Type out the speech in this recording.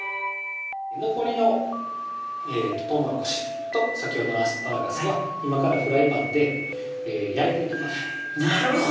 残りのとうもろこしと先ほどのアスパラガスは今からフライパンで焼いていきますなるほど！